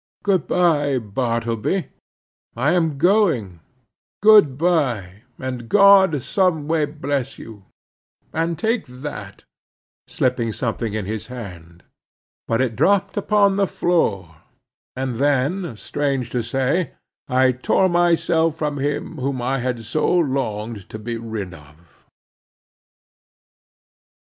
"Good bye, Bartleby; I am going—good bye, and God some way bless you; and take that," slipping something in his hand. But it dropped upon the floor, and then,—strange to say—I tore myself from him whom I had so longed to be rid of.